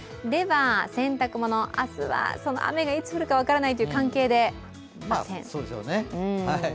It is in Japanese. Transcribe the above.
洗濯物、明日は雨がいつ降るか分からないという関係でバッテン。